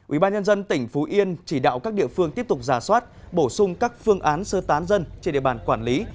ubnd tỉnh phú yên chỉ đạo các địa phương tiếp tục giả soát bổ sung các phương án sơ tán dân trên địa bàn quản lý